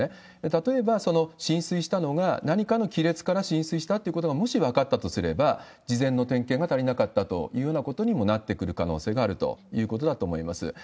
例えば、浸水したのが何かの亀裂から浸水したということがもし分かったとすれば、事前の点検が足りなかったというようなことにもなってくる可能性があるということだと思います。